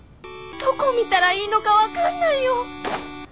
どこ見たらいいのか分かんないよ。